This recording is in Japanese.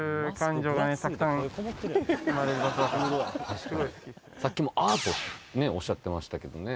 確かにさっきもアートねっおっしゃってましたけどね